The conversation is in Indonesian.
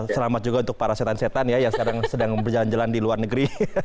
selamat juga untuk para setan setan ya yang sekarang sedang berjalan jalan di luar negeri